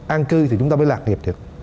an cư thì chúng ta mới lạc nghiệp thiệt